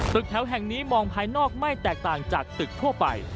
ตึกแถวแห่งนี้มองภายนอกไม่แตกต่างจากตึกทั่วไป